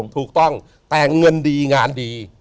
ถูกต้องแต่เงินดีงานดี